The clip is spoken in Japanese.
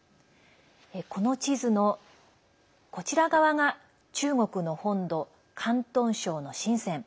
この地図の、こちら側が中国の本土、広東省の深セン。